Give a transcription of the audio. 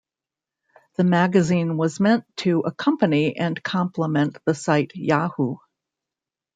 The magazine was meant to accompany and complement the site Yahoo!